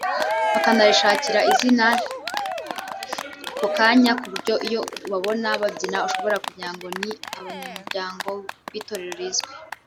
bakanarishakira n’izina ako kanya ku buryo iyo ubabona babyina ushobora kugira ngo ni abanyamuryango b’itorero rizwi